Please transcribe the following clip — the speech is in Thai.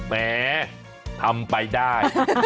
แหมทำไปได้